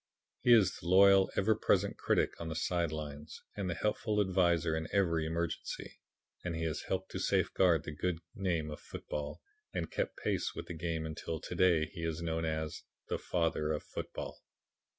He is the loyal, ever present critic on the side lines and the helpful adviser in every emergency. He has helped to safeguard the good name of football and kept pace with the game until to day he is known as the "Father of football."